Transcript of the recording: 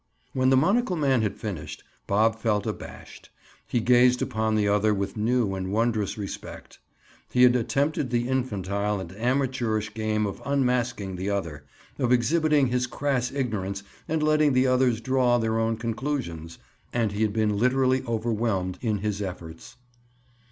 When the monocle man had finished, Bob felt abashed. He gazed upon the other with new and wondrous respect. He had attempted the infantile and amateurish game of unmasking the other—of exhibiting his crass ignorance and letting the others draw their own conclusions—and he had been literally overwhelmed in his efforts.